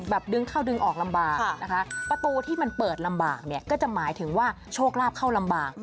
ดึงเข้าดึงออกลำบากนะคะประตูที่มันเปิดลำบากเนี่ยก็จะหมายถึงว่าโชคลาภเข้าลำบาก